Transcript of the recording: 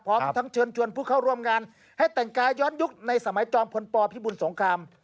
พร้อมทั้งเชิญชวนผู้เข้าร่วมงานให้แต่งกายย้อนยุคในสมัยจอมพลปพิบุญสงคราม